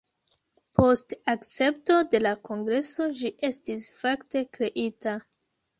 Post akcepto de la Kongreso ĝi estis fakte kreita.